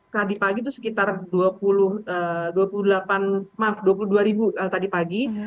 tadi pagi itu sekitar dua puluh dua ribu tadi pagi